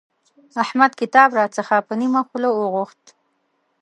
احمد کتاب راڅخه په نيمه خوله وغوښت.